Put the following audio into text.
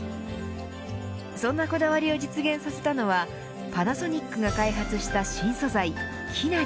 そんなこだわりを実現させたのはパナソニックが開発した新素材ｋｉｎａｒｉ。